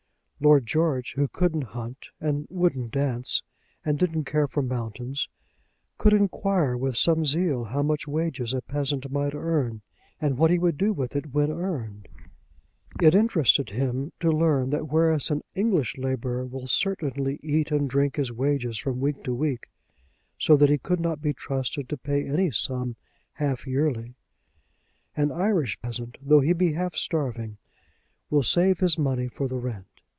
Lord George, who couldn't hunt, and wouldn't dance, and didn't care for mountains, could enquire with some zeal how much wages a peasant might earn, and what he would do with it when earned. It interested him to learn that whereas an English labourer will certainly eat and drink his wages from week to week, so that he could not be trusted to pay any sum half yearly, an Irish peasant, though he be half starving, will save his money for the rent.